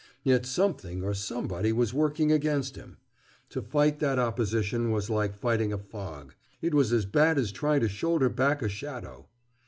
Yet something or somebody was working against him. To fight that opposition was like fighting a fog. It was as bad as trying to shoulder back a shadow.